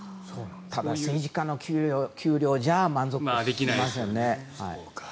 ただ、政治家の給与じゃ満足できないですよね。